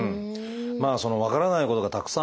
まあ分からないことがたくさんある。